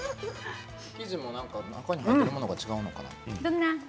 生地も中に入っているものが違うのかな。